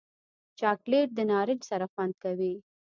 چاکلېټ د نارنج سره خوند کوي.